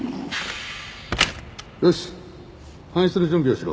よし搬出の準備をしろ。